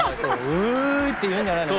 「うぅ！」って言うんじゃないの？